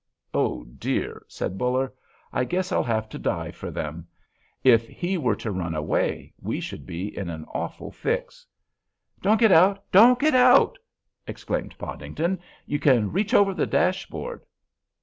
"Oh, dear," said Buller, "I guess I'll have to dive for them; if he were to run away, we should be in an awful fix." "Don't get out! Don't get out!" exclaimed Podington. "You can reach over the dashboard."